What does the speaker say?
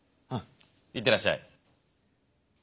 行ってらっしゃい。